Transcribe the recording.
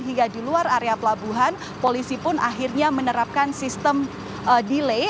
hingga di luar area pelabuhan polisi pun akhirnya menerapkan sistem delay